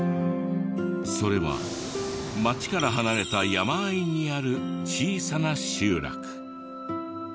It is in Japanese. それは町から離れた山あいにある小さな集落。